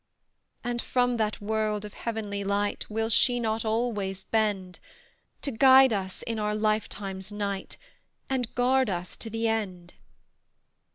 And from that world of heavenly light Will she not always bend To guide us in our lifetime's night, And guard us to the end?